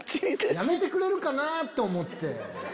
やめてくれるかな？と思って。